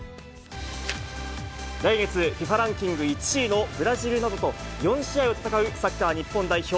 来月、ＦＩＦＡランキング１位のブラジルなどと、４試合を戦うサッカー日本代表。